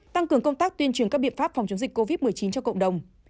tăng cường công tác tuyên truyền các biện pháp phòng chống dịch covid một mươi chín cho cộng đồng